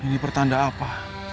ini pertanda apa